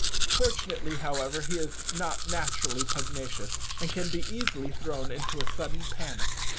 Fortunately, however, he is not naturally pugnacious, and can be easily thrown into a sudden panic.